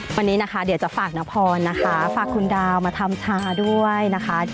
วันนี้นะคะเดี๋ยวจะฝากนพรนะคะฝากคุณดาวมาทำชาด้วยนะคะ